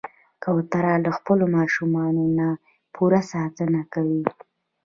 کوتره له خپلو ماشومانو نه پوره ساتنه کوي.